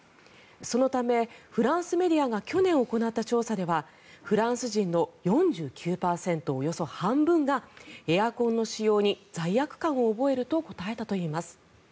そのため、フランスメディアが去年行った調査ではフランス人の４９％およそ半分がエアコンの使用に罪悪感を覚えると答えたといいます。